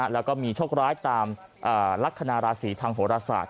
แล้วก็มีโชคร้ายตามลักษณะราศีทางโหรศาสต